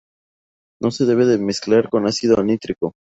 No se debe mezclar con ácido nítrico.